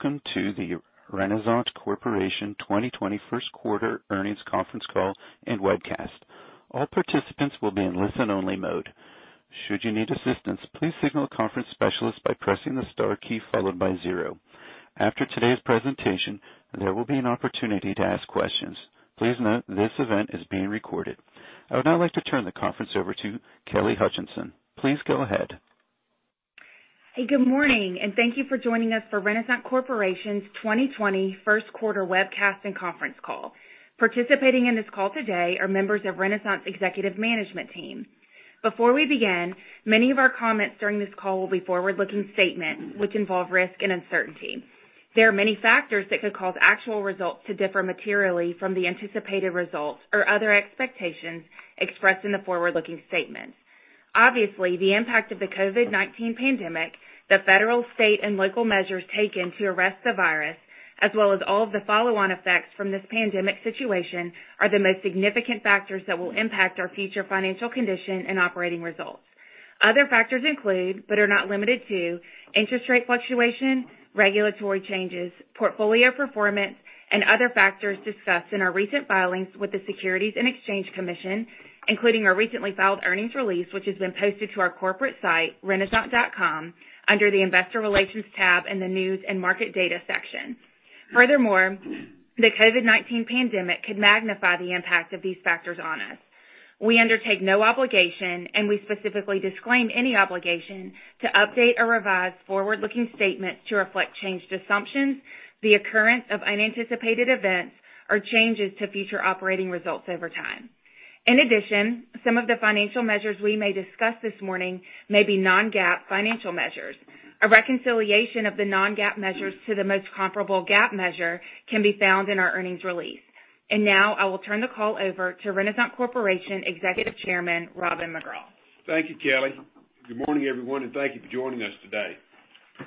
Good day. Welcome to the Renasant Corporation 2020 first quarter earnings conference call and webcast. All participants will be in listen-only mode. Should you need assistance, please signal a conference specialist by pressing the star key followed by zero. After today's presentation, there will be an opportunity to ask questions. Please note this event is being recorded. I would now like to turn the conference over to Kelly Hutcheson. Please go ahead. Hey, good morning, and thank you for joining us for Renasant Corporation's 2020 first quarter webcast and conference call. Participating in this call today are members of Renasant Executive management team. Before we begin, many of our comments during this call will be forward-looking statements, which involve risk and uncertainty. There are many factors that could cause actual results to differ materially from the anticipated results or other expectations expressed in the forward-looking statements. Obviously, the impact of the COVID-19 pandemic, the federal, state, and local measures taken to arrest the virus, as well as all of the follow-on effects from this pandemic situation, are the most significant factors that will impact our future financial condition and operating results. Other factors include, but are not limited to, interest rate fluctuation, regulatory changes, portfolio performance, and other factors discussed in our recent filings with the Securities and Exchange Commission, including our recently filed earnings release, which has been posted to our corporate site, renasant.com, under the Investor Relations tab in the News and Market Data section. Furthermore, the COVID-19 pandemic could magnify the impact of these factors on us. We undertake no obligation, and we specifically disclaim any obligation, to update or revise forward-looking statements to reflect changed assumptions, the occurrence of unanticipated events, or changes to future operating results over time. In addition, some of the financial measures we may discuss this morning may be non-GAAP financial measures. A reconciliation of the non-GAAP measures to the most comparable GAAP measure can be found in our earnings release. Now, I will turn the call over to Renasant Corporation Executive Chairman, Robin McGraw. Thank you, Kelly. Good morning, everyone, and thank you for joining us today.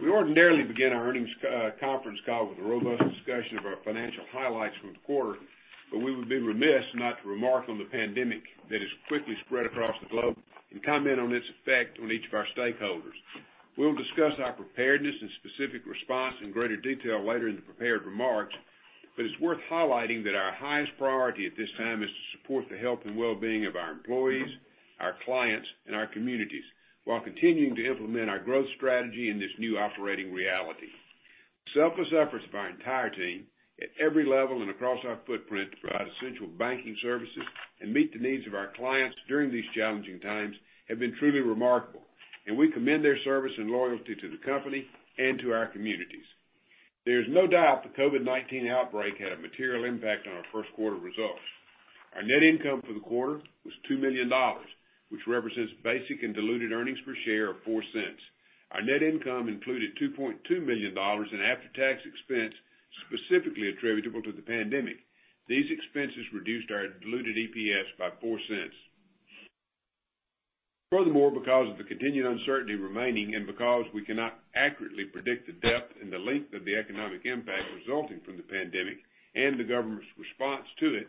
We ordinarily begin our earnings conference call with a robust discussion of our financial highlights from the quarter, but we would be remiss not to remark on the pandemic that has quickly spread across the globe and comment on its effect on each of our stakeholders. We'll discuss our preparedness and specific response in greater detail later in the prepared remarks, but it's worth highlighting that our highest priority at this time is to support the health and well-being of our employees, our clients, and our communities while continuing to implement our growth strategy in this new operating reality. The selfless efforts of our entire team at every level and across our footprint to provide essential banking services and meet the needs of our clients during these challenging times have been truly remarkable, and we commend their service and loyalty to the company and to our communities. There's no doubt the COVID-19 outbreak had a material impact on our first quarter results. Our net income for the quarter was $2 million, which represents basic and diluted earnings per share of $0.04. Our net income included $2.2 million in after-tax expense specifically attributable to the pandemic. These expenses reduced our diluted EPS by $0.04. Furthermore, because of the continued uncertainty remaining and because we cannot accurately predict the depth and the length of the economic impact resulting from the pandemic and the government's response to it,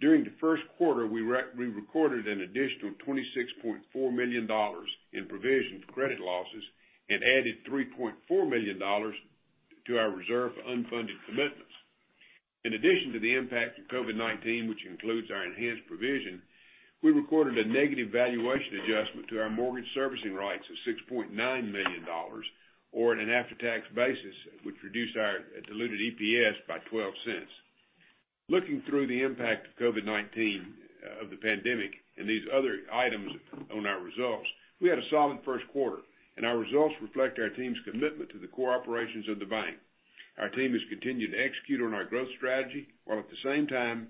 during the first quarter, we recorded an additional $26.4 million in provision for credit losses and added $3.4 million to our reserve for unfunded commitments. In addition to the impact of COVID-19, which includes our enhanced provision, we recorded a negative valuation adjustment to our mortgage servicing rights of $6.9 million, or at an after-tax basis, which reduced our diluted EPS by $0.12. Looking through the impact of COVID-19, of the pandemic, and these other items on our results, we had a solid first quarter, and our results reflect our team's commitment to the core operations of the bank. Our team has continued to execute on our growth strategy while at the same time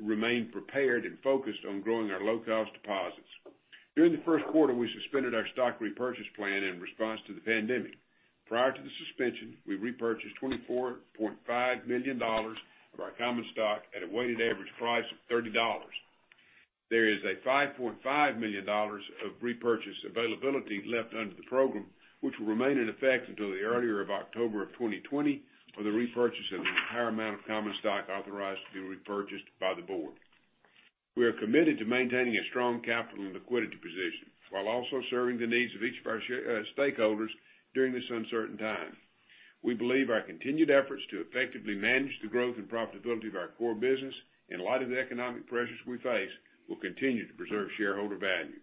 remain prepared and focused on growing our low-cost deposits. During the first quarter, we suspended our stock repurchase plan in response to the pandemic. Prior to the suspension, we repurchased $24.5 million of our common stock at a weighted average price of $30. There is a $5.5 million of repurchase availability left under the program, which will remain in effect until the earlier of October of 2020, or the repurchase of the entire amount of common stock authorized to be repurchased by the board. We are committed to maintaining a strong capital and liquidity position while also serving the needs of each of our stakeholders during this uncertain time. We believe our continued efforts to effectively manage the growth and profitability of our core business in light of the economic pressures we face will continue to preserve shareholder value.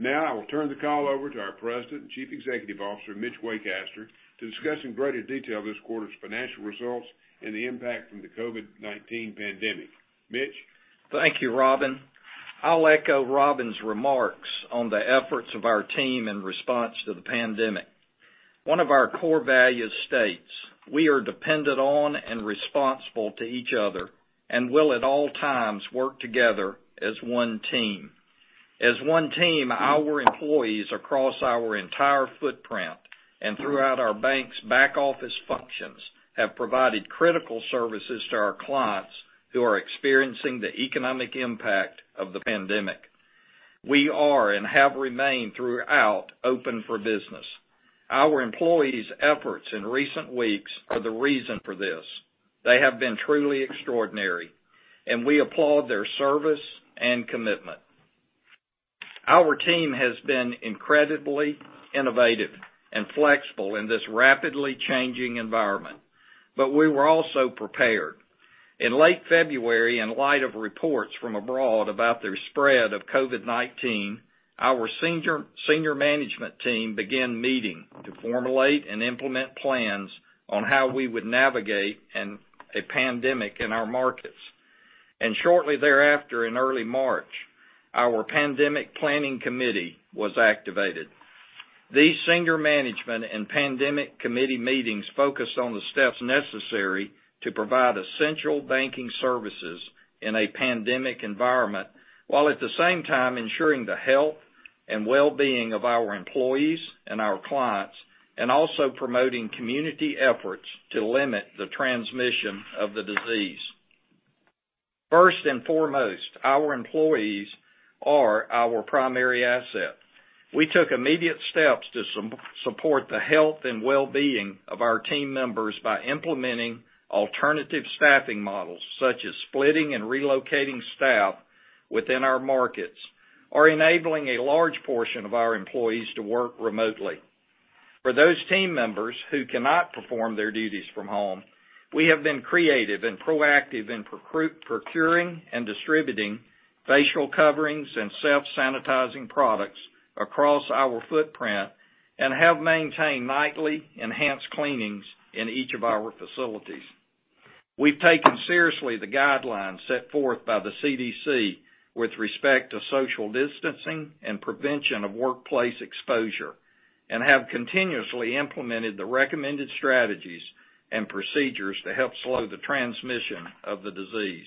Now, I will turn the call over to our President and Chief Executive Officer, Mitch Waycaster, to discuss in greater detail this quarter's financial results and the impact from the COVID-19 pandemic. Mitch? Thank you, Robin. I'll echo Robin's remarks on the efforts of our team in response to the pandemic. One of our core values states, we are dependent on and responsible to each other and will at all times work together as one team. As one team, our employees across our entire footprint and throughout our bank's back office functions have provided critical services to our clients who are experiencing the economic impact of the pandemic. We are, and have remained throughout, open for business. Our employees' efforts in recent weeks are the reason for this. They have been truly extraordinary, and we applaud their service and commitment. Our team has been incredibly innovative and flexible in this rapidly changing environment. We were also prepared. In late February, in light of reports from abroad about the spread of COVID-19, our senior management team began meeting to formulate and implement plans on how we would navigate a pandemic in our markets. Shortly thereafter, in early March, our pandemic planning committee was activated. These senior management and pandemic committee meetings focused on the steps necessary to provide essential banking services in a pandemic environment, while at the same time ensuring the health and well-being of our employees and our clients, and also promoting community efforts to limit the transmission of the disease. First and foremost, our employees are our primary asset. We took immediate steps to support the health and well-being of our team members by implementing alternative staffing models, such as splitting and relocating staff within our markets, or enabling a large portion of our employees to work remotely. For those team members who cannot perform their duties from home, we have been creative and proactive in procuring and distributing facial coverings and self-sanitizing products across our footprint, and have maintained nightly enhanced cleanings in each of our facilities. We've taken seriously the guidelines set forth by the CDC with respect to social distancing and prevention of workplace exposure, and have continuously implemented the recommended strategies and procedures to help slow the transmission of the disease.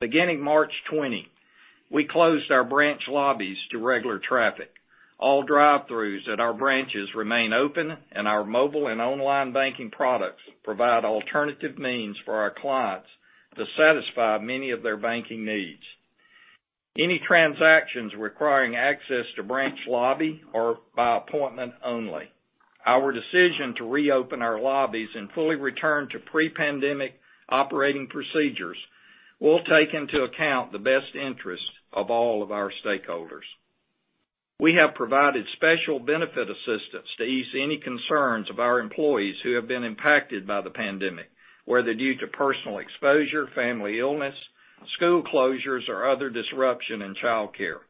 Beginning March 20, we closed our branch lobbies to regular traffic. All drive-throughs at our branches remain open, and our mobile and online banking products provide alternative means for our clients to satisfy many of their banking needs. Any transactions requiring access to branch lobby are by appointment only. Our decision to reopen our lobbies and fully return to pre-pandemic operating procedures will take into account the best interests of all of our stakeholders. We have provided special benefit assistance to ease any concerns of our employees who have been impacted by the pandemic, whether due to personal exposure, family illness, school closures, or other disruption in childcare.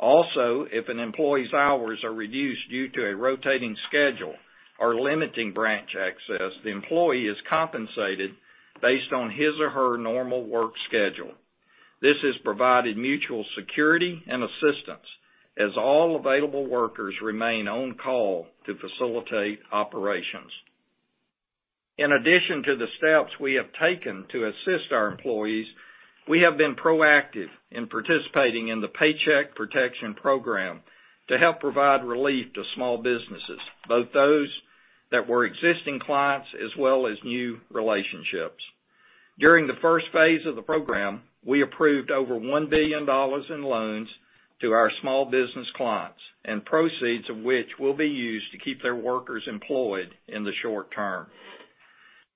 If an employee's hours are reduced due to a rotating schedule or limiting branch access, the employee is compensated based on his or her normal work schedule. This has provided mutual security and assistance as all available workers remain on call to facilitate operations. In addition to the steps we have taken to assist our employees, we have been proactive in participating in the Paycheck Protection Program to help provide relief to small businesses, both those that were existing clients as well as new relationships. During the first phase of the program, we approved over $1 billion in loans to our small business clients, and proceeds of which will be used to keep their workers employed in the short term.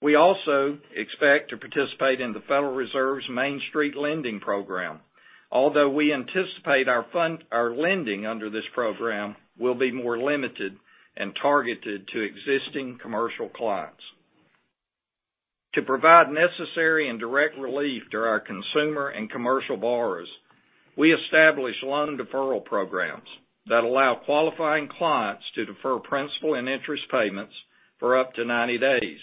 We also expect to participate in the Federal Reserve's Main Street Lending Program, although we anticipate our lending under this program will be more limited and targeted to existing commercial clients. To provide necessary and direct relief to our consumer and commercial borrowers, we established loan deferral programs that allow qualifying clients to defer principal and interest payments for up to 90 days.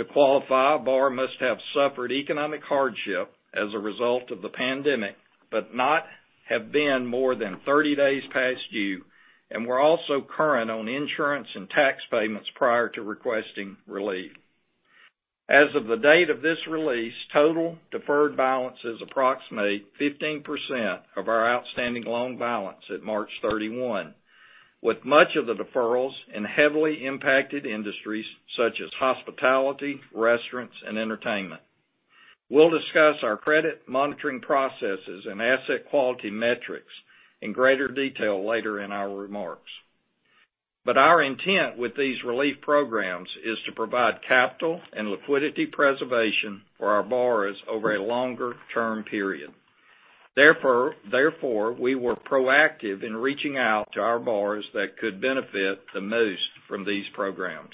To qualify, a borrower must have suffered economic hardship as a result of the pandemic, but not have been more than 30 days past due, and were also current on insurance and tax payments prior to requesting relief. As of the date of this release, total deferred balance is approximately 15% of our outstanding loan balance at March 31, with much of the deferrals in heavily impacted industries such as hospitality, restaurants, and entertainment. We'll discuss our credit monitoring processes and asset quality metrics in greater detail later in our remarks. Our intent with these relief programs is to provide capital and liquidity preservation for our borrowers over a longer term period. Therefore, we were proactive in reaching out to our borrowers that could benefit the most from these programs.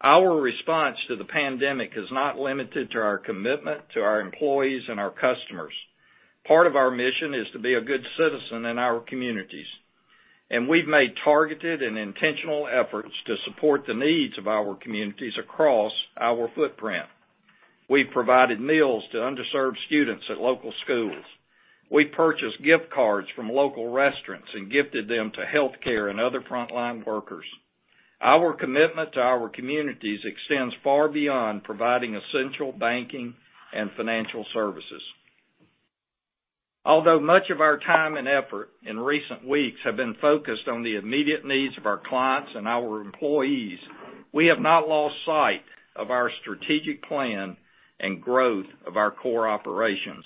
Our response to the pandemic is not limited to our commitment to our employees and our customers. Part of our mission is to be a good citizen in our communities, and we've made targeted and intentional efforts to support the needs of our communities across our footprint. We've provided meals to underserved students at local schools. We've purchased gift cards from local restaurants and gifted them to healthcare and other frontline workers. Our commitment to our communities extends far beyond providing essential banking and financial services. Although much of our time and effort in recent weeks have been focused on the immediate needs of our clients and our employees, we have not lost sight of our strategic plan and growth of our core operations.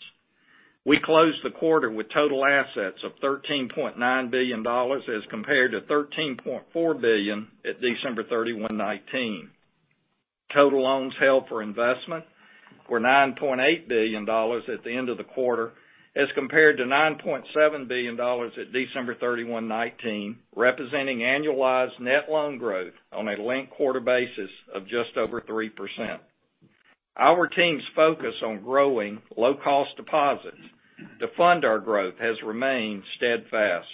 We closed the quarter with total assets of $13.9 billion as compared to $13.4 billion at December 31, 2019. Total loans held for investment were $9.8 billion at the end of the quarter as compared to $9.7 billion at December 31, 2019, representing annualized net loan growth on a linked quarter basis of just over 3%. Our team's focus on growing low-cost deposits to fund our growth has remained steadfast.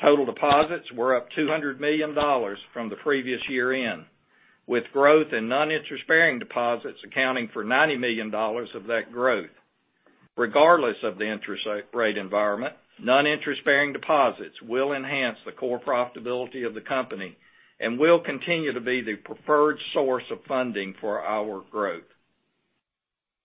Total deposits were up $200 million from the previous year-end, with growth in non-interest-bearing deposits accounting for $90 million of that growth. Regardless of the interest rate environment, non-interest-bearing deposits will enhance the core profitability of the company and will continue to be the preferred source of funding for our growth.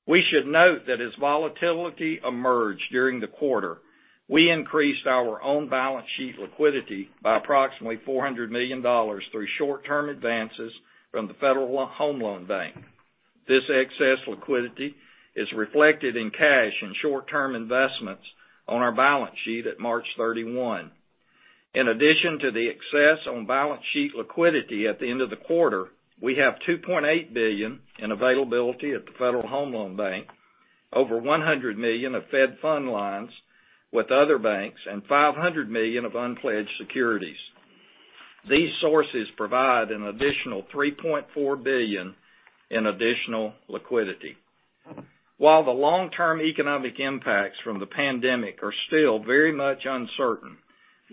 We should note that as volatility emerged during the quarter, we increased our own balance sheet liquidity by approximately $400 million through short-term advances from the Federal Home Loan Bank. This excess liquidity is reflected in cash and short-term investments on our balance sheet at March 31. In addition to the excess on-balance sheet liquidity at the end of the quarter, we have $2.8 billion in availability at the Federal Home Loan Bank, over $100 million of Fed fund lines with other banks and $500 million of unpledged securities. These sources provide an additional $3.4 billion in additional liquidity. While the long-term economic impacts from the pandemic are still very much uncertain,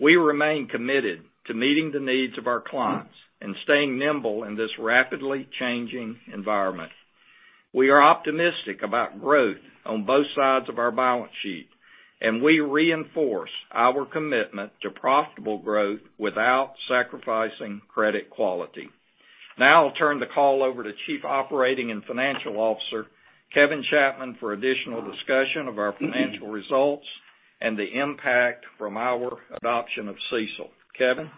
we remain committed to meeting the needs of our clients and staying nimble in this rapidly changing environment. We are optimistic about growth on both sides of our balance sheet, and we reinforce our commitment to profitable growth without sacrificing credit quality. Now I'll turn the call over to Chief Operating and Financial Officer, Kevin Chapman, for additional discussion of our financial results and the impact from our adoption of CECL. Kevin?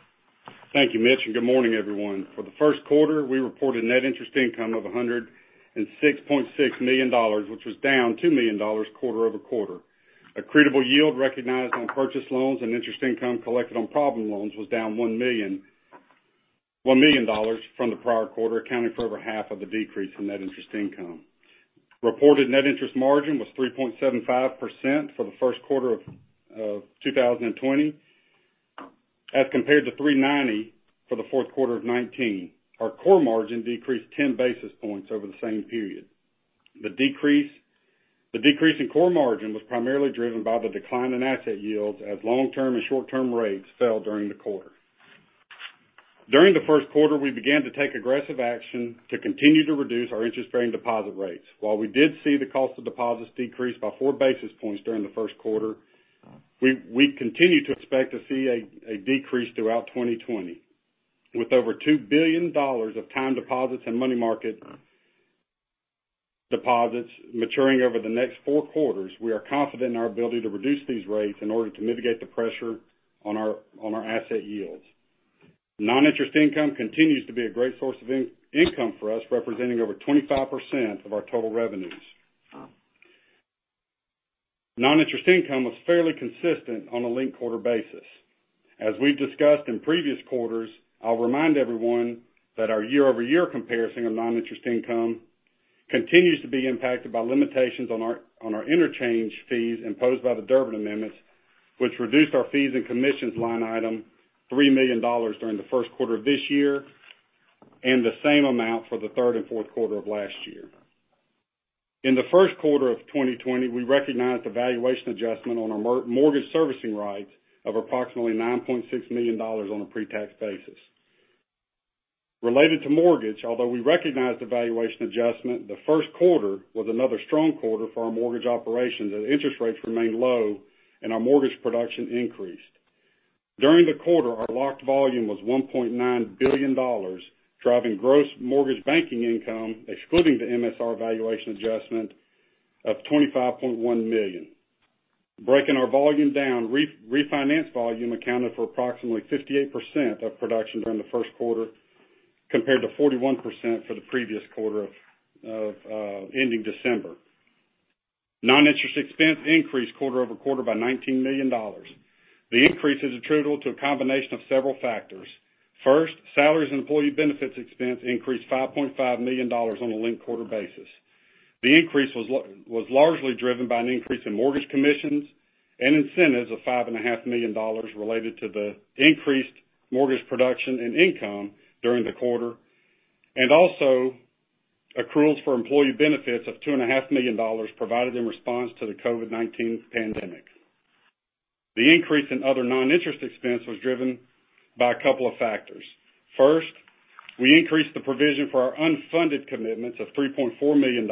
Thank you, Mitch. Good morning, everyone. For the first quarter, we reported net interest income of $106.6 million, which was down $2 million quarter-over-quarter. Accretable yield recognized on purchase loans and interest income collected on problem loans was down $1 million from the prior quarter, accounting for over half of the decrease in net interest income. Reported net interest margin was 3.75% for the first quarter of 2020 as compared to 3.90% for the fourth quarter of 2019. Our core margin decreased 10 basis points over the same period. The decrease in core margin was primarily driven by the decline in asset yields as long-term and short-term rates fell during the quarter. During the first quarter, we began to take aggressive action to continue to reduce our interest-bearing deposit rates. While we did see the cost of deposits decrease by four basis points during the first quarter, we continue to expect to see a decrease throughout 2020. With over $2 billion of time deposits and money market deposits maturing over the next four quarters, we are confident in our ability to reduce these rates in order to mitigate the pressure on our asset yields. Non-interest income continues to be a great source of income for us, representing over 25% of our total revenues. Non-interest income was fairly consistent on a linked quarter basis. As we've discussed in previous quarters, I'll remind everyone that our year-over-year comparison of non-interest income continues to be impacted by limitations on our interchange fees imposed by the Durbin Amendment, which reduced our fees and commissions line item $3 million during the first quarter of this year, and the same amount for the third and fourth quarter of last year. In the first quarter of 2020, we recognized a valuation adjustment on our mortgage servicing rights of approximately $9.6 million on a pre-tax basis. Related to mortgage, although we recognized the valuation adjustment, the first quarter was another strong quarter for our mortgage operations as interest rates remained low and our mortgage production increased. During the quarter, our locked volume was $1.9 billion, driving gross mortgage banking income, excluding the MSR valuation adjustment, of $25.1 million. Breaking our volume down, refinance volume accounted for approximately 58% of production during the first quarter, compared to 41% for the previous quarter ending December. Non-interest expense increased quarter-over-quarter by $19 million. The increase is attributable to a combination of several factors. First, salaries and employee benefits expense increased $5.5 million on a linked-quarter basis. The increase was largely driven by an increase in mortgage commissions and incentives of $5.5 million related to the increased mortgage production and income during the quarter, and also accruals for employee benefits of $2.5 million provided in response to the COVID-19 pandemic. The increase in other non-interest expense was driven by a couple of factors. First, we increased the provision for our unfunded commitments of $3.4 million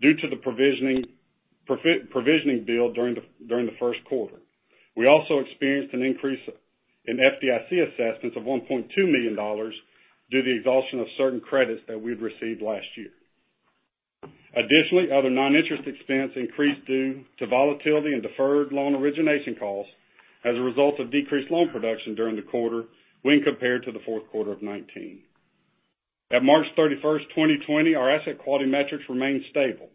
due to the provisioning bill during the first quarter. We also experienced an increase in FDIC assessments of $1.2 million due to the exhaustion of certain credits that we'd received last year. Other non-interest expense increased due to volatility in deferred loan origination costs as a result of decreased loan production during the quarter when compared to the fourth quarter of 2019. At March 31st, 2020, our asset quality metrics remained stable,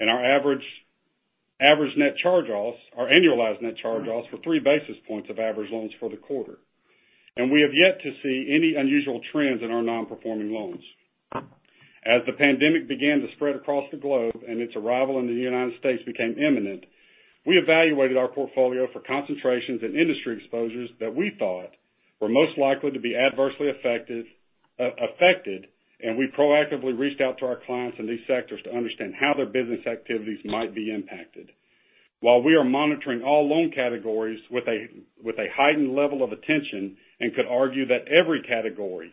our average net charge-offs or annualized net charge-offs for three basis points of average loans for the quarter. We have yet to see any unusual trends in our non-performing loans. As the pandemic began to spread across the globe, and its arrival in the United States became imminent, we evaluated our portfolio for concentrations and industry exposures that we thought were most likely to be adversely affected, and we proactively reached out to our clients in these sectors to understand how their business activities might be impacted. While we are monitoring all loan categories with a heightened level of attention and could argue that every category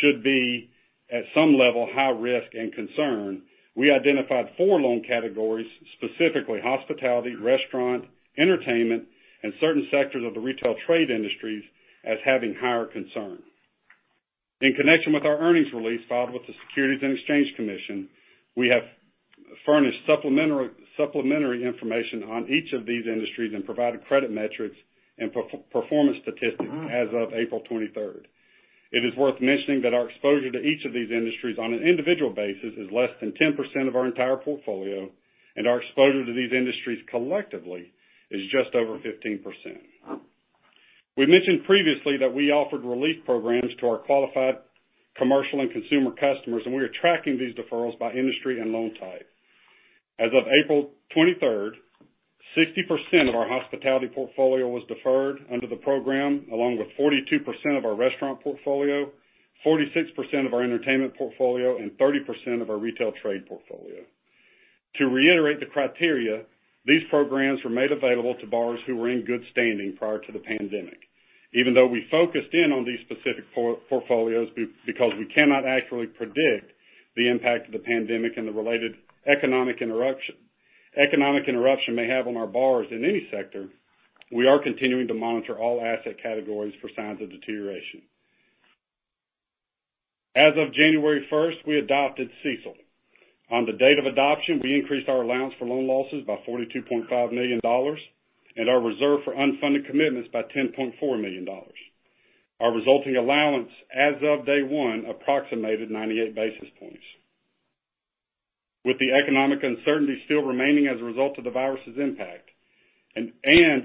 should be, at some level, high risk and concern, we identified four loan categories, specifically hospitality, restaurant, entertainment, and certain sectors of the retail trade industries, as having higher concern. In connection with our earnings release filed with the Securities and Exchange Commission, we have furnished supplementary information on each of these industries and provided credit metrics and performance statistics as of April 23rd. It is worth mentioning that our exposure to each of these industries on an individual basis is less than 10% of our entire portfolio, and our exposure to these industries collectively is just over 15%. We mentioned previously that we offered relief programs to our qualified commercial and consumer customers, and we are tracking these deferrals by industry and loan type. As of April 23rd, 60% of our hospitality portfolio was deferred under the program, along with 42% of our restaurant portfolio, 46% of our entertainment portfolio, and 30% of our retail trade portfolio. To reiterate the criteria, these programs were made available to borrowers who were in good standing prior to the pandemic. Even though we focused in on these specific portfolios because we cannot accurately predict the impact of the pandemic and the related economic interruption may have on our borrowers in any sector, we are continuing to monitor all asset categories for signs of deterioration. As of January first, we adopted CECL. On the date of adoption, we increased our allowance for loan losses by $42.5 million and our reserve for unfunded commitments by $10.4 million. Our resulting allowance as of day one approximated 98 basis points. With the economic uncertainty still remaining as a result of the virus's impact, and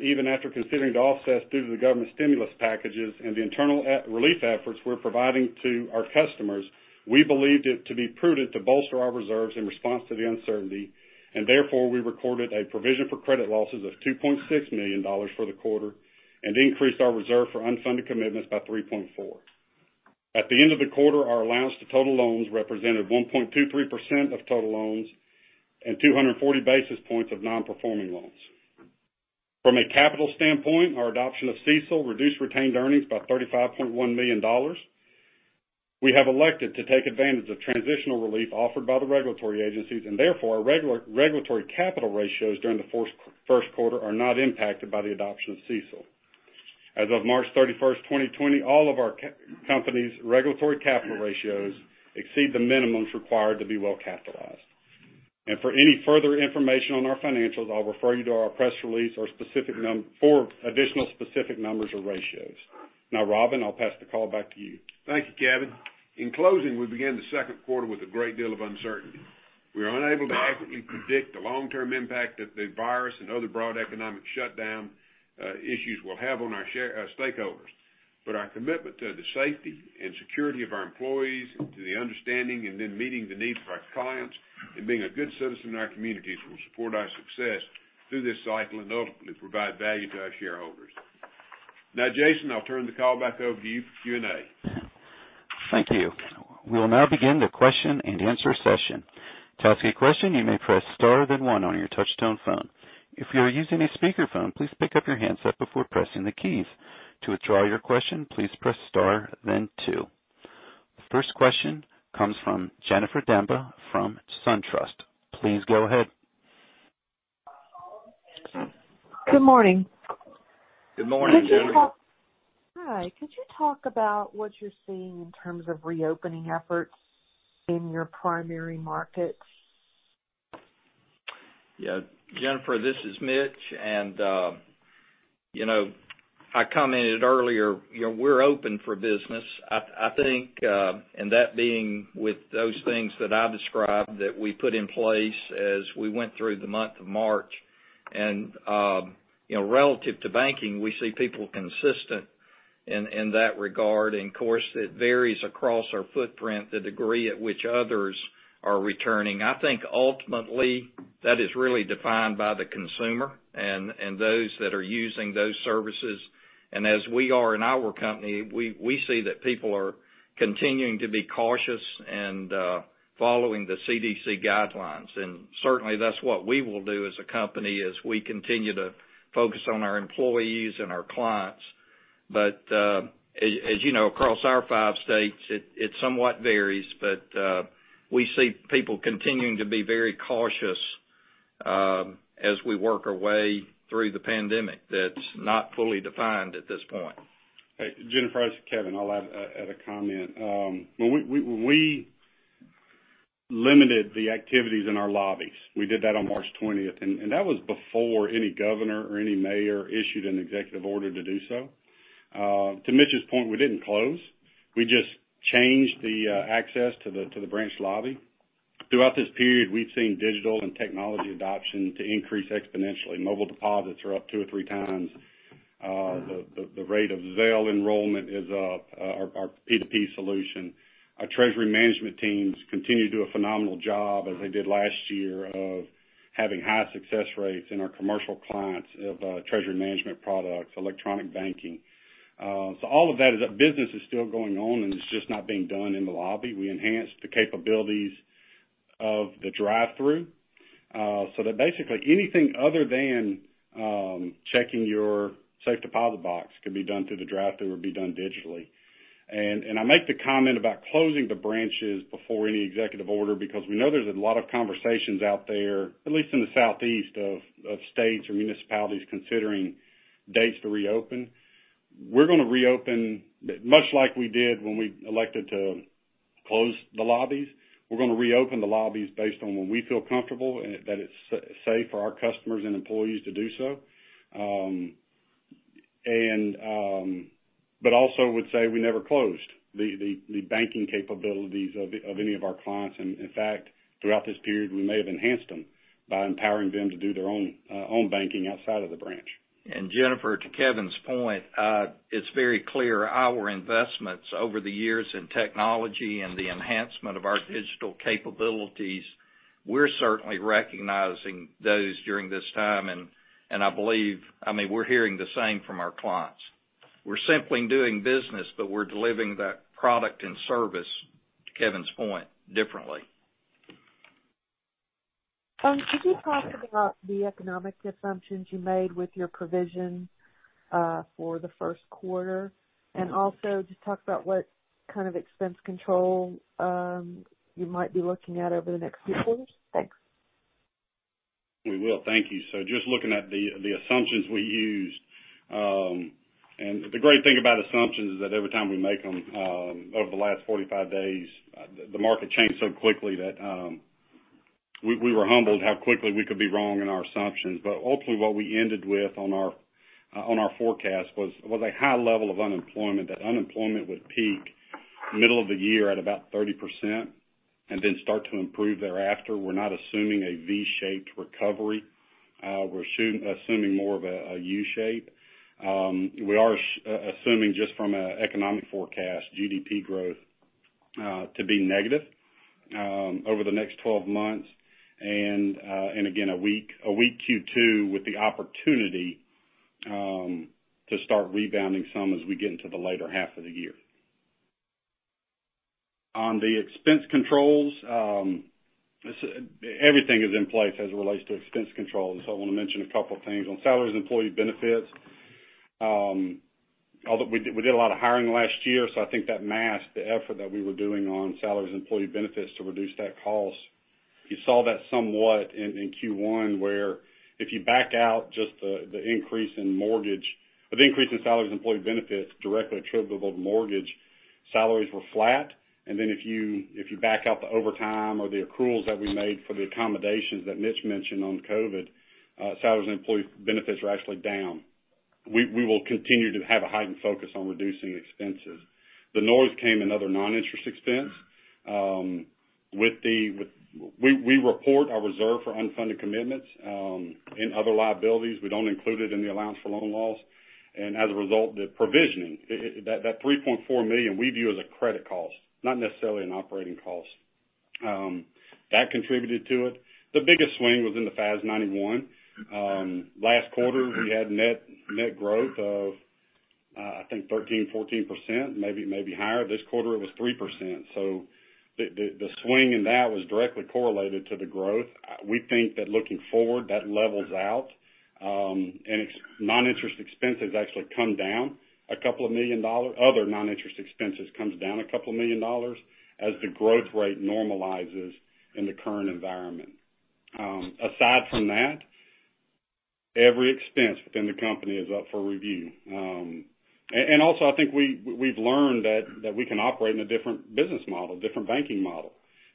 even after considering the offsets due to the government stimulus packages and the internal relief efforts we're providing to our customers, we believed it to be prudent to bolster our reserves in response to the uncertainty, and therefore, we recorded a provision for credit losses of $2.6 million for the quarter and increased our reserve for unfunded commitments by $3.4. At the end of the quarter, our allowance to total loans represented 1.23% of total loans and 240 basis points of non-performing loans. From a capital standpoint, our adoption of CECL reduced retained earnings by $35.1 million. We have elected to take advantage of transitional relief offered by the regulatory agencies, and therefore, our regulatory capital ratios during the first quarter are not impacted by the adoption of CECL. As of March 31st, 2020, all of our company's regulatory capital ratios exceed the minimums required to be well capitalized. For any further information on our financials, I'll refer you to our press release for additional specific numbers or ratios. Now, Robin, I'll pass the call back to you. Thank you, Kevin. In closing, we begin the second quarter with a great deal of uncertainty. We are unable to accurately predict the long-term impact that the virus and other broad economic shutdown issues will have on our stakeholders. Our commitment to the safety and security of our employees, to the understanding and then meeting the needs of our clients, and being a good citizen in our communities will support our success through this cycle and ultimately provide value to our shareholders. Now, Jason, I'll turn the call back over to you for Q&A. Thank you. We will now begin the question-and-answer session. To ask a question, you may press star then one on your touch-tone phone. If you are using a speakerphone, please pick up your handset before pressing the keys. To withdraw your question, please press star then two. The first question comes from Jennifer Demba from SunTrust. Please go ahead. Good morning. Good morning, Jennifer. hi, could you talk about what you're seeing in terms of reopening efforts in your primary markets? Jennifer, this is Mitch, and I commented earlier, we're open for business. That being with those things that I described that we put in place as we went through the month of March, relative to banking, we see people consistent in that regard. Of course, it varies across our footprint, the degree at which others are returning. I think ultimately, that is really defined by the consumer and those that are using those services. As we are in our company, we see that people are continuing to be cautious and following the CDC guidelines. Certainly, that's what we will do as a company as we continue to focus on our employees and our clients. As you know, across our five states, it somewhat varies, but we see people continuing to be very cautious as we work our way through the pandemic that's not fully defined at this point. Jennifer, this is Kevin. I'll add a comment. When we limited the activities in our lobbies, we did that on March 20th. That was before any governor or any mayor issued an executive order to do so. To Mitch's point, we didn't close. We just changed the access to the branch lobby. Throughout this period, we've seen digital and technology adoption to increase exponentially. Mobile deposits are up two or three times. The rate of Zelle enrollment is up, our P2P solution. Our treasury management teams continue to do a phenomenal job as they did last year of having high success rates in our commercial clients of treasury management products, electronic banking. All of that is that business is still going on, and it's just not being done in the lobby. We enhanced the capabilities of the drive-through, so that basically anything other than checking your safe deposit box can be done through the drive-through or be done digitally. I make the comment about closing the branches before any executive order, because we know there's a lot of conversations out there, at least in the Southeast of states or municipalities considering dates to reopen. We're going to reopen, much like we did when we elected to close the lobbies. We're going to reopen the lobbies based on when we feel comfortable and that it's safe for our customers and employees to do so. Also would say we never closed the banking capabilities of any of our clients. In fact, throughout this period, we may have enhanced them by empowering them to do their own banking outside of the branch. Jennifer, to Kevin's point, it's very clear our investments over the years in technology and the enhancement of our digital capabilities, we're certainly recognizing those during this time. I believe, we're hearing the same from our clients. We're simply doing business, but we're delivering that product and service, to Kevin's point, differently. Could you talk about the economic assumptions you made with your provision for the first quarter, and also just talk about what kind of expense control you might be looking at over the next few quarters? Thanks. We will. Thank you. Just looking at the assumptions we used. The great thing about assumptions is that every time we make them, over the last 45 days, the market changed so quickly that we were humbled how quickly we could be wrong in our assumptions. Ultimately, what we ended with on our forecast was a high level of unemployment, that unemployment would peak middle of the year at about 30% and then start to improve thereafter. We're not assuming a V-shaped recovery. We're assuming more of a U-shape. We are assuming just from an economic forecast, GDP growth to be negative over the next 12 months. Again, a weak Q2 with the opportunity to start rebounding some as we get into the later half of the year. On the expense controls, everything is in place as it relates to expense controls. I want to mention a couple things. On salaries and employee benefits, we did a lot of hiring last year, so I think that masked the effort that we were doing on salaries and employee benefits to reduce that cost. You saw that somewhat in Q1, where if you back out just the increase in salaries and employee benefits directly attributable to mortgage, salaries were flat. Then if you back out the overtime or the accruals that we made for the accommodations that Mitch mentioned on COVID-19, salaries and employee benefits are actually down. We will continue to have a heightened focus on reducing expenses. The noise came in other non-interest expense. We report our reserve for unfunded commitments in other liabilities. We don't include it in the allowance for loan loss. As a result, the provisioning, that $3.4 million we view as a credit cost, not necessarily an operating cost. That contributed to it. The biggest swing was in the FAS 91. Last quarter, we had net growth of, I think, 13%, 14%, maybe higher. This quarter, it was 3%. The swing in that was directly correlated to the growth. We think that looking forward, that levels out. Non-interest expenses actually come down a couple of million dollars, other non-interest expenses comes down a couple of million dollars as the growth rate normalizes in the current environment. Aside from that, every expense within the company is up for review. Also, I think we've learned that we can operate in a different business model, different banking model.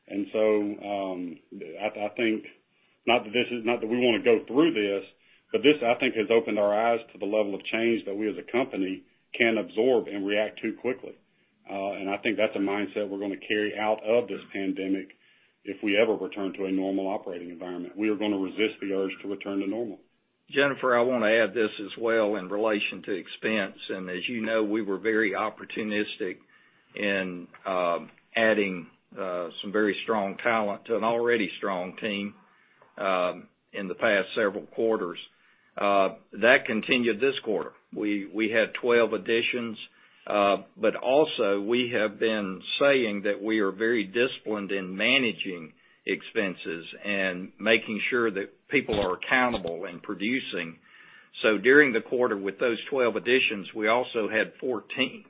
I think, not that we want to go through this, but this, I think, has opened our eyes to the level of change that we as a company can absorb and react to quickly. I think that's a mindset we're going to carry out of this pandemic if we ever return to a normal operating environment. We are going to resist the urge to return to normal. Jennifer, I want to add this as well in relation to expense. As you know, we were very opportunistic in adding some very strong talent to an already strong team in the past several quarters. That continued this quarter. We had 12 additions. Also, we have been saying that we are very disciplined in managing expenses and making sure that people are accountable and producing. During the quarter with those 12 additions, we also had 14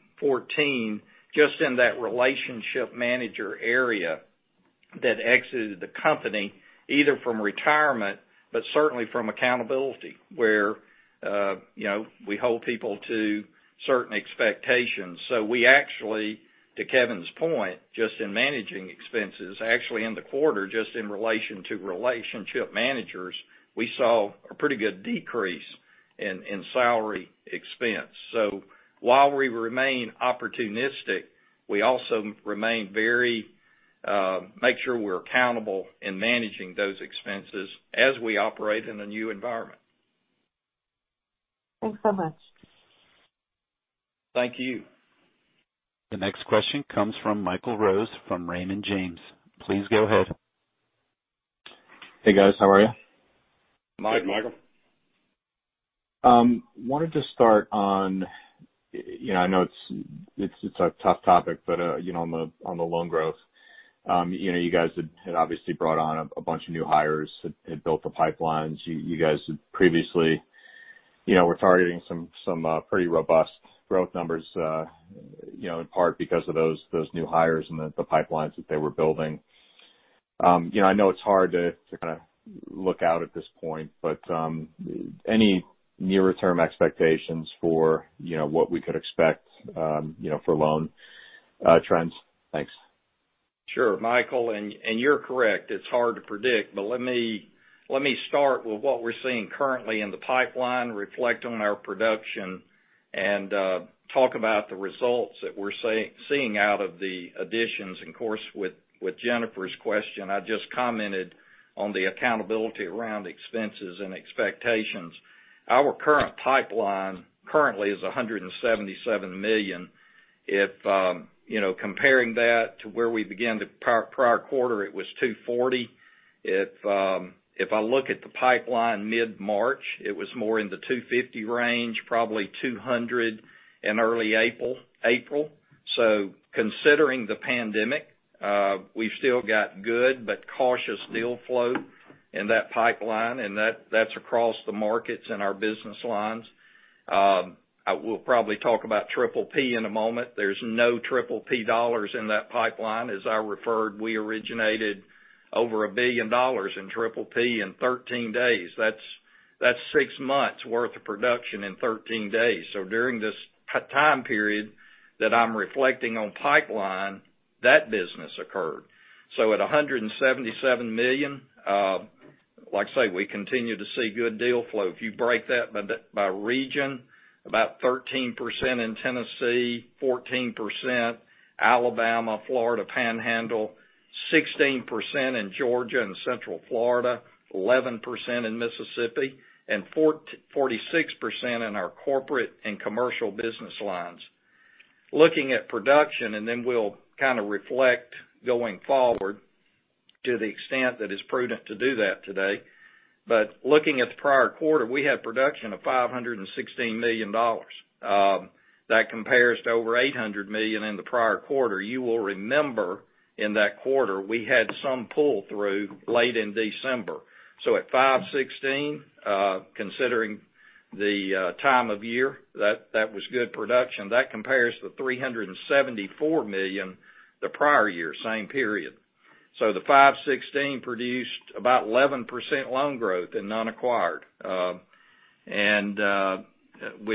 just in that relationship manager area that exited the company, either from retirement, but certainly from accountability, where we hold people to certain expectations. We actually, to Kevin's point, just in managing expenses, actually in the quarter, just in relation to relationship managers, we saw a pretty good decrease in salary expense. While we remain opportunistic, we also remain very Make sure we're accountable in managing those expenses as we operate in a new environment. Thanks so much. Thank you. The next question comes from Michael Rose from Raymond James. Please go ahead. Hey, guys. How are you? Hi, Michael. Wanted to start on, I know it's a tough topic, but on the loan growth. You guys had obviously brought on a bunch of new hires, had built the pipelines. You guys had previously were targeting some pretty robust growth numbers, in part because of those new hires and the pipelines that they were building. I know it's hard to kind of look out at this point, but any nearer term expectations for what we could expect for loan trends? Thanks. Sure, Michael, you're correct, it's hard to predict. Let me start with what we're seeing currently in the pipeline, reflect on our production, and talk about the results that we're seeing out of the additions. And course, with Jennifer's question, I just commented on the accountability around expenses and expectations. Our current pipeline currently is $177 million. Comparing that to where we began the prior quarter, it was $240 million. If I look at the pipeline mid-March, it was more in the $250 million range, probably $200 million in early April. Considering the pandemic, we've still got good but cautious deal flow in that pipeline, and that's across the markets and our business lines. We'll probably talk about PPP in a moment. There's no PPP dollars in that pipeline. As I referred, we originated over $1 billion in PPP in 13 days. That's six months worth of production in 13 days. During this time period that I'm reflecting on pipeline, that business occurred. At $177 million, like I say, we continue to see good deal flow. If you break that by region, about 13% in Tennessee, 14% Alabama, Florida Panhandle, 16% in Georgia and central Florida, 11% in Mississippi, and 46% in our corporate and commercial business lines. Looking at production, then we'll kind of reflect going forward to the extent that it's prudent to do that today. Looking at the prior quarter, we had production of $516 million. That compares to over $800 million in the prior quarter. You will remember, in that quarter, we had some pull-through late in December. At 516, considering the time of year, that was good production. That compares to $374 million the prior year, same period. The 516 produced about 11% loan growth in non-acquired, about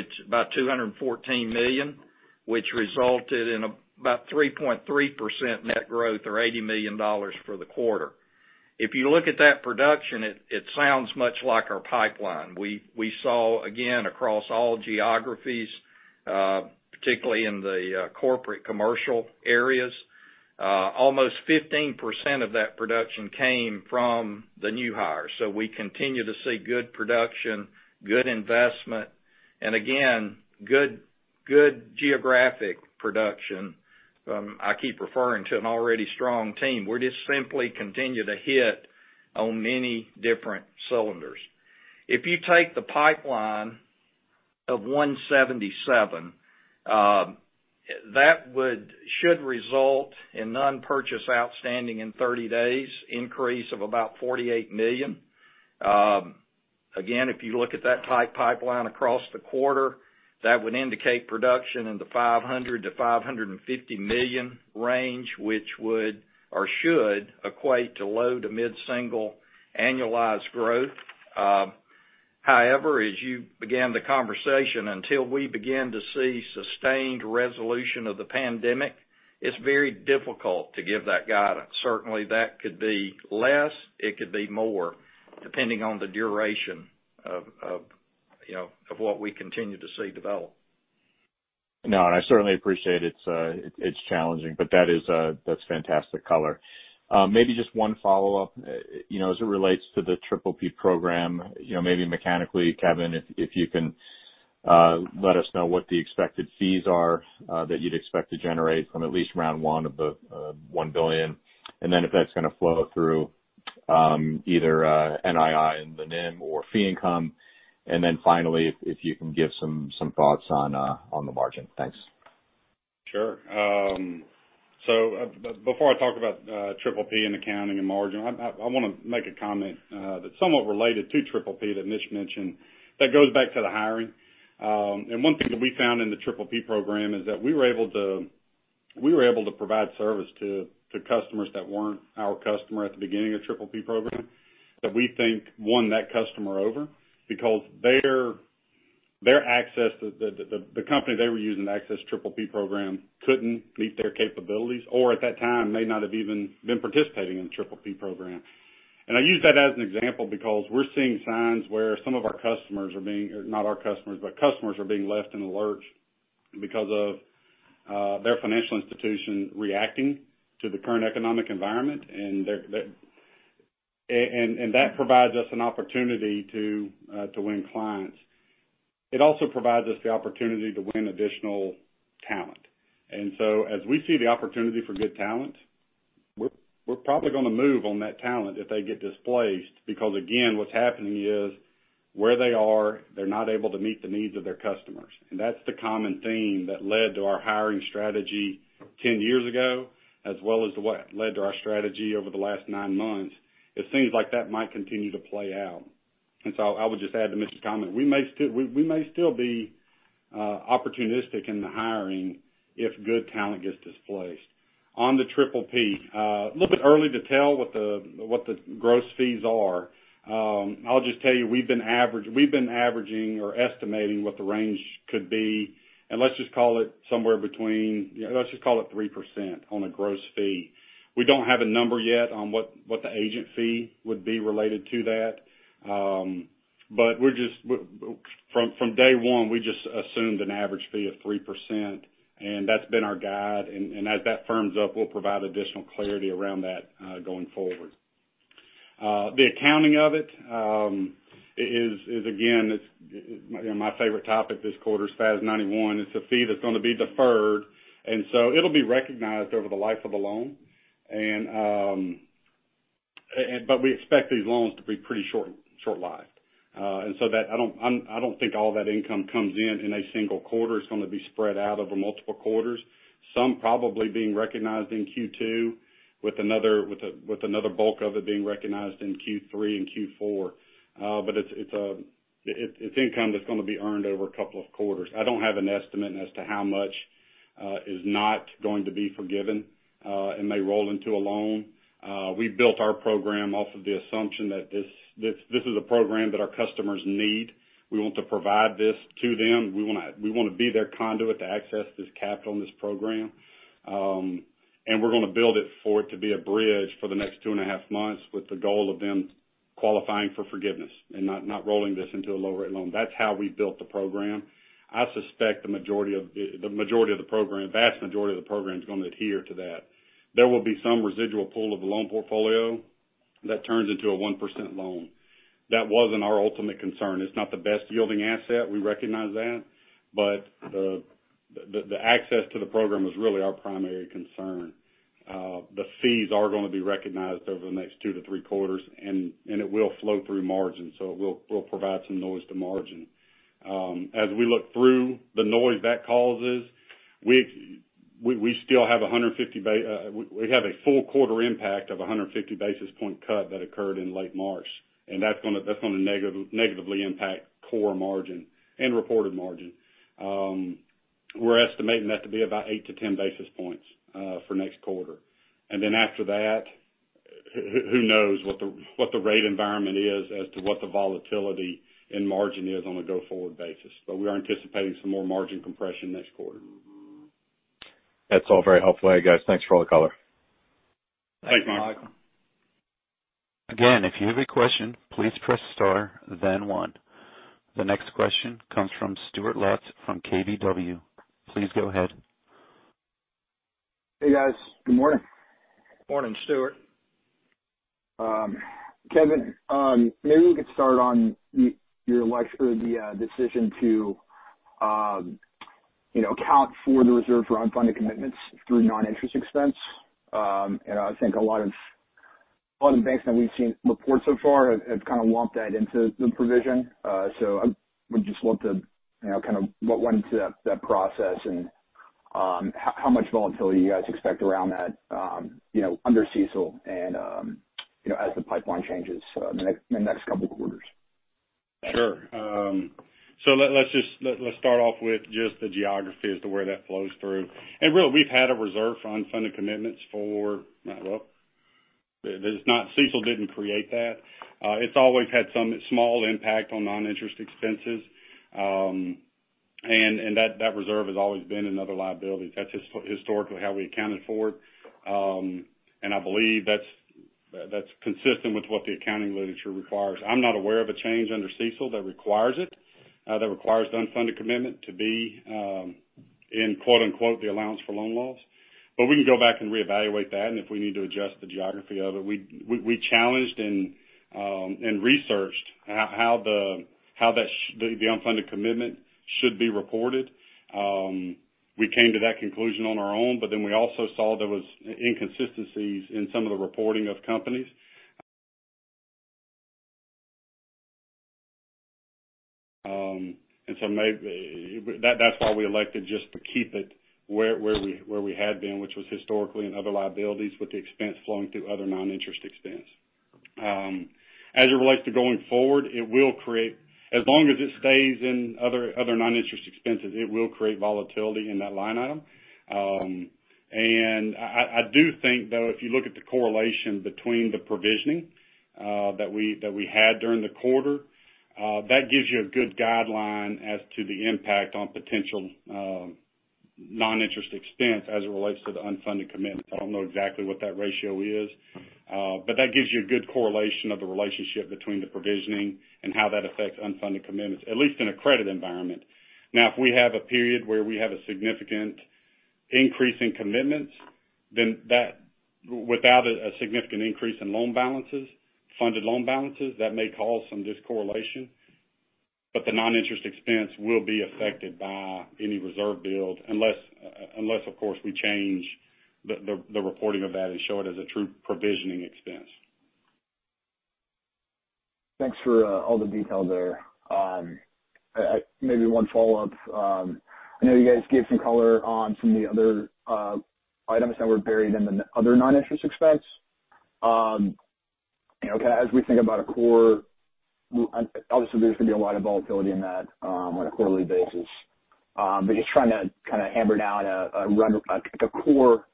$214 million, which resulted in about 3.3% net growth or $80 million for the quarter. If you look at that production, it sounds much like our pipeline. We saw, again, across all geographies, particularly in the corporate commercial areas, almost 15% of that production came from the new hires. We continue to see good production, good investment, and again, good geographic production from, I keep referring to an already strong team. We just simply continue to hit on many different cylinders. If you take the pipeline of 177, that should result in non-purchase outstanding in 30 days increase of about $48 million. Again, if you look at that pipeline across the quarter, that would indicate production in the $500 million-$550 million range, which would or should equate to low to mid-single annualized growth. As you began the conversation, until we begin to see sustained resolution of the pandemic, it's very difficult to give that guidance. Certainly, that could be less, it could be more, depending on the duration of what we continue to see develop. No, I certainly appreciate it's challenging, but that's fantastic color. Maybe just one follow-up, as it relates to the PPP program, maybe mechanically, Kevin, if you can let us know what the expected fees are that you'd expect to generate from at least round one of the $1 billion, if that's going to flow through either NII and the NIM or fee income. Finally, if you can give some thoughts on the margin. Thanks. Sure. Before I talk about PPP and accounting and margin, I want to make a comment that's somewhat related to PPP that Mitch mentioned, that goes back to the hiring. One thing that we found in the PPP program is that we were able to provide service to customers that weren't our customer at the beginning of PPP program, that we think won that customer over because the company they were using to access PPP program couldn't meet their capabilities, or at that time, may not have even been participating in the PPP program. I use that as an example because we're seeing signs where some of our customers are being, not our customers, but customers are being left in the lurch because of their financial institution reacting to the current economic environment, and that provides us an opportunity to win clients. It also provides us the opportunity to win additional talent. As we see the opportunity for good talent, we're probably going to move on that talent if they get displaced, because again, what's happening is where they are, they're not able to meet the needs of their customers. That's the common theme that led to our hiring strategy 10 years ago, as well as what led to our strategy over the last nine months. It seems like that might continue to play out. I would just add to Mitch's comment, we may still be opportunistic in the hiring if good talent gets displaced. On the PPP, a little bit early to tell what the gross fees are. I'll just tell you, we've been averaging or estimating what the range could be, and let's just call it 3% on a gross fee. We don't have a number yet on what the agent fee would be related to that. From day one, we just assumed an average fee of 3%, and that's been our guide. As that firms up, we'll provide additional clarity around that going forward. The accounting of it is, again, my favorite topic this quarter, FAS 91. It's a fee that's going to be deferred, and so it'll be recognized over the life of the loan. We expect these loans to be pretty short-lived. I don't think all that income comes in in a single quarter. It's going to be spread out over multiple quarters. Some probably being recognized in Q2 with another bulk of it being recognized in Q3 and Q4. It's income that's going to be earned over a couple of quarters. I don't have an estimate as to how much is not going to be forgiven and may roll into a loan. We built our Program off of the assumption that this is a Program that our customers need. We want to provide this to them. We want to be their conduit to access this capital and this Program, and we're going to build it for it to be a bridge for the next two and a half months with the goal of them qualifying for forgiveness and not rolling this into a low-rate loan. That's how we built the Program. I suspect the vast majority of the Program is going to adhere to that. There will be some residual pool of the loan portfolio that turns into a 1% loan. That wasn't our ultimate concern. It's not the best yielding asset, we recognize that. The access to the program is really our primary concern. The fees are going to be recognized over the next two to three quarters, and it will flow through margin, so it will provide some noise to margin. As we look through the noise that causes, we have a full quarter impact of 150 basis point cut that occurred in late March, and that's going to negatively impact core margin and reported margin. We're estimating that to be about eight to 10 basis points for next quarter. Then after that, who knows what the rate environment is as to what the volatility in margin is on a go-forward basis. We are anticipating some more margin compression next quarter. That's all very helpful, guys. Thanks for all the color. Thanks, Michael. Again, if you have a question, please press star then one. The next question comes from Stephen Scouten from KBW. Please go ahead. Hey, guys. Good morning. Morning, Scout. Kevin, maybe we could start on your lecture, the decision to account for the reserve for unfunded commitments through non-interest expense. I think a lot of the banks that we've seen report so far have kind of lumped that into the provision. So I would just love to, kind of what went into that process and how much volatility you guys expect around that under CECL, and as the pipeline changes in the next couple of quarters. Sure. Let's start off with just the geography as to where that flows through. Really, we've had a reserve for unfunded commitments for a while. CECL didn't create that. It's always had some small impact on non-interest expenses. That reserve has always been another liability. That's historically how we accounted for it. I believe that's consistent with what the accounting literature requires. I'm not aware of a change under CECL that requires it, that requires the unfunded commitment to be in quote-unquote, the allowance for loan loss. We can go back and reevaluate that, and if we need to adjust the geography of it. We challenged and researched how the unfunded commitment should be reported. We came to that conclusion on our own, but then we also saw there was inconsistencies in some of the reporting of companies. That's why we elected just to keep it where we had been, which was historically in other liabilities, with the expense flowing through other non-interest expense. As it relates to going forward, as long as it stays in other non-interest expenses, it will create volatility in that line item. I do think, though, if you look at the correlation between the provisioning that we had during the quarter, that gives you a good guideline as to the impact on potential non-interest expense as it relates to the unfunded commitments. I don't know exactly what that ratio is, but that gives you a good correlation of the relationship between the provisioning and how that affects unfunded commitments, at least in a credit environment. If we have a period where we have a significant increase in commitments, then without a significant increase in loan balances, funded loan balances, that may cause some discorrelation. The non-interest expense will be affected by any reserve build, unless of course we change the reporting of that and show it as a true provisioning expense. Thanks for all the detail there. Maybe one follow-up. I know you guys gave some color on some of the other items that were buried in the other non-interest expense. As we think about a core, obviously, there's going to be a lot of volatility in that on a quarterly basis. Just trying to kind of hammer down like a core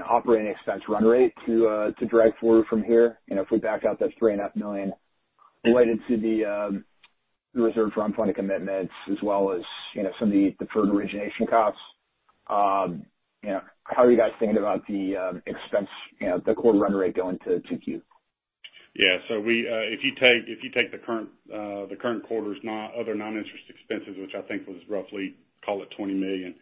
operating expense run rate to drag forward from here. If we back out that three and a half million related to the reserve for unfunded commitments as well as some of the deferred origination costs, how are you guys thinking about the expense, the core run rate going to 2Q? If you take the current quarter's other non-interest expenses, which I think was roughly, call it $20 million,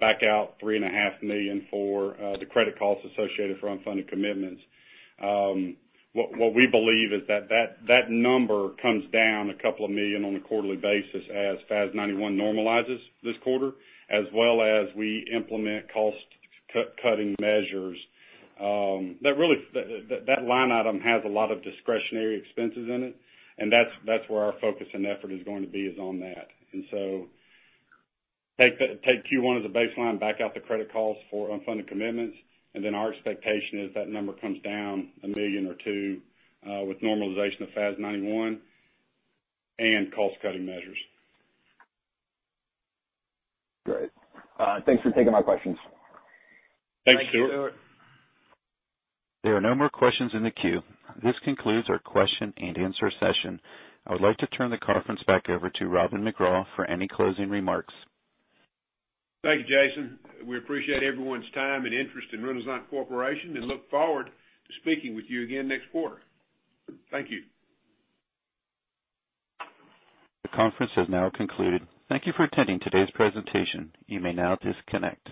back out $3.5 million for the credit costs associated for unfunded commitments. What we believe is that number comes down $2 million on a quarterly basis as FAS 91 normalizes this quarter, as well as we implement cost-cutting measures. That line item has a lot of discretionary expenses in it, that's where our focus and effort is going to be on that. Take Q1 as a baseline, back out the credit costs for unfunded commitments, our expectation is that number comes down $1 million or $2 million with normalization of FAS 91 and cost-cutting measures. Great. Thanks for taking my questions. Thanks, Scout. There are no more questions in the queue. This concludes our question-and-answer session. I would like to turn the conference back over to Robin McGraw for any closing remarks. Thank you, Jason. We appreciate everyone's time and interest in Renasant Corporation and look forward to speaking with you again next quarter. Thank you. The conference has now concluded. Thank you for attending today's presentation. You may now disconnect.